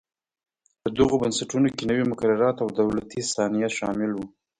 په دغو بنسټونو کې نوي مقررات او دولتي صنایع شامل و.